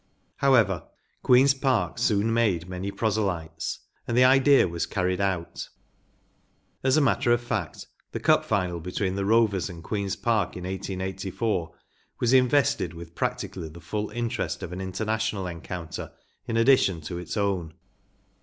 However, Queen's Park soon made many proselytes and the idea was carried out As a matter of fact, the Cup final between 'he Rovers and Queen’s Park in 1884 was invested with practi¬ cally the full interest of an international encounter in addition to its own.